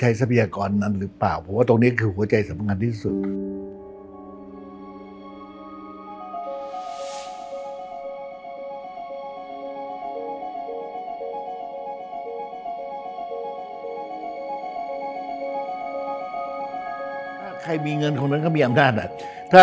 มีทรัพยากรไปอยู่ในมือและสามารถมีอำนาจการต